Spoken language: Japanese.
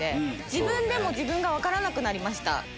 自分でも自分が分からなくなりました。